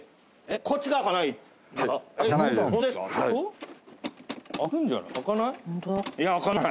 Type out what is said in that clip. こっちが開かない。